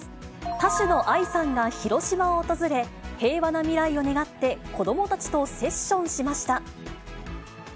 歌手のＡＩさんが広島を訪れ、平和な未来を願って、子どもたちとセッションしました。